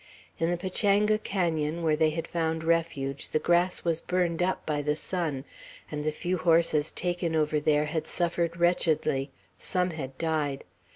In the Pachanga canon, where they had found refuge, the grass was burned up by the sun, and the few horses taken over there had suffered wretchedly; some had died.